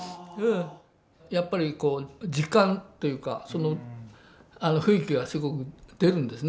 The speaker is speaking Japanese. やっぱり実感というか雰囲気がすごく出るんですね